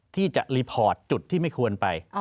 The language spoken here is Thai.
ที่จะรีพอร์ตจุดที่ไม่ควรไป